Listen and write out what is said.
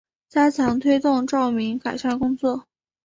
加强推动照明改善工作